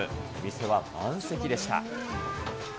店は満席でした。